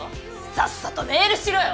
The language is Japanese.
さっさとメールしろよ！